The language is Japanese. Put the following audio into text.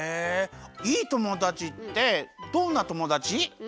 いいともだちってどんなともだち？